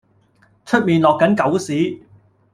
出面落緊狗屎